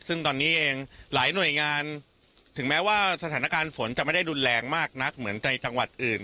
ซึ่งตอนนี้เองหลายหน่วยงานถึงแม้ว่าสถานการณ์ฝนจะไม่ได้รุนแรงมากนักเหมือนในจังหวัดอื่น